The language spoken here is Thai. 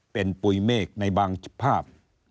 เป็นปุ๋ยเมฆในบางภาพ